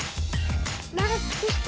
まって。